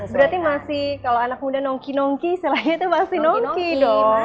berarti masih kalau anak muda nongki nongki istilahnya itu masih nongki dong